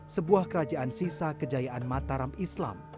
sebuah kerajaan sisa kejayaan mataram islam